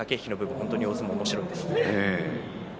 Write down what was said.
本当に大相撲はおもしろいですね。